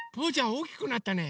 おおきくなったね。